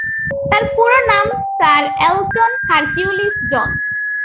তার পুরো নাম স্যার এলটন হারকিউলিস জন।